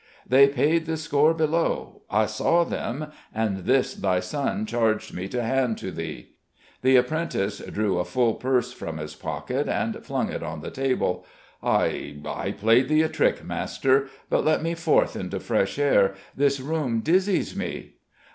"They paid the score below I saw them; and this thy son charged me to hand to thee." The apprentice drew a full purse from his pocket and flung it on the table. "I I played thee a trick, master: but let me forth into fresh air. This room dizzies me...."